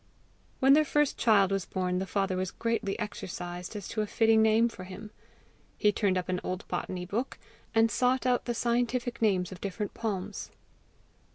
When their first child was born, the father was greatly exercised as to a fitting name for him. He turned up an old botany book, and sought out the scientific names of different palms.